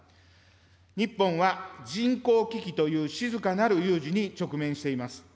日本は人口危機という静かなる有事に直面しています。